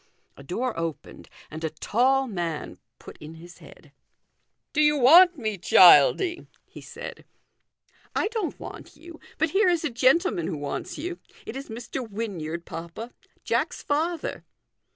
A door opened, and a tall man put in his head. " Do you want me, Childie ?" he said. 298 THE GOLDEN RULE. " I don't want you ; but here is a gentleman who wants you. It is Mr. Wynyard, papa ; Jack's father."